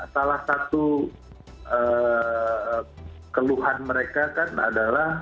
salah satu keluhan mereka kan adalah